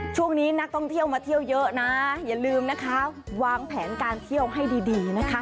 ช่วงนี้นักท่องเที่ยวมาเที่ยวเยอะนะอย่าลืมนะคะวางแผนการเที่ยวให้ดีนะคะ